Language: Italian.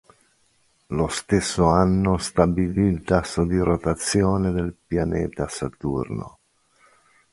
Lo stesso anno stabilì il tasso di rotazione del pianeta Saturno.